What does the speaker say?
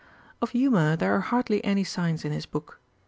* Of humour there are hardly any signs in his Book.